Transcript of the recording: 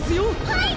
はい！